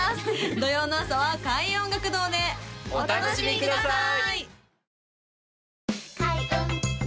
土曜の朝は開運音楽堂でお楽しみください！